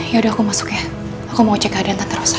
yaudah aku masuk ya aku mau cek keadaan tante rosa